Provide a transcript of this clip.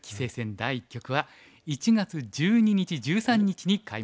第一局は１月１２日１３日に開幕します。